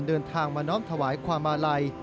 เดินทางมาน้อมถวายความอาลัย